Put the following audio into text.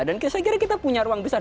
dan saya kira kita punya ruang besar